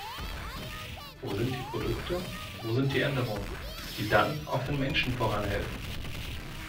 Wo sind die Produkte, wo sind die Änderungen, die dann auch den Menschen voranhelfen?